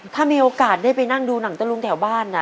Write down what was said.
ถ้ามีโอกาสได้ไปนั่งดูหนังตะลุงแถวบ้าน